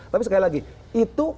tapi sekali lagi itu